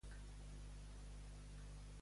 Què es va traduir de l'anglès a l'espanyol?